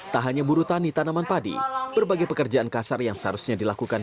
tak hanya buru tani tanaman padi berbagai pekerjaan kasar yang seharusnya dilakukan